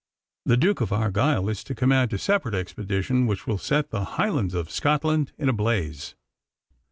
The Duke of Argyle is to command a separate expedition, which will set the Highlands of Scotland in a blaze.